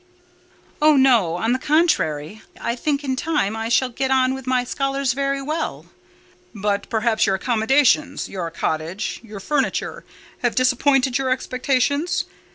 "Oh, no! On the contrary, I think in time I shall get on with my scholars very well." "But perhaps your accommodations—your cottage—your furniture—have disappointed your expectations?